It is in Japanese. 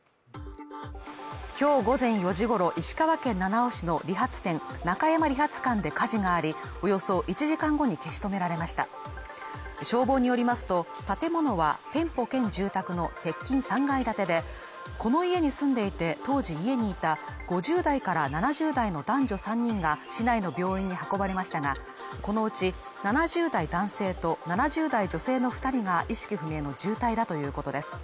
きょう午前４時ごろ石川県七尾市の理髪店中山理髪館で火事がありおよそ１時間後に消し止められました消防によりますと建物は店舗兼住宅の鉄筋３階建てでこの家に住んでいて当時家にいた５０代から７０代の男女３人が市内の病院に運ばれましたがこのうち７０代男性と７０代女性の二人が意識不明の重体だということです